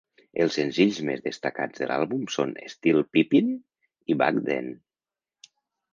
Els senzills més destacats de l'àlbum són "Still Tippin'" i "Back Then".